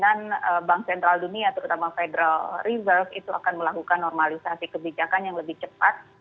bank sentral dunia terutama federal reserve itu akan melakukan normalisasi kebijakan yang lebih cepat